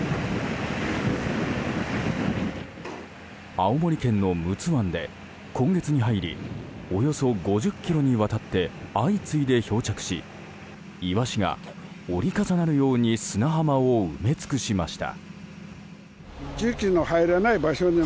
青森県の陸奥湾で今月に入りおよそ５０ｋｍにわたって相次いで漂着しイワシが折り重なるように砂浜を埋め尽くしました。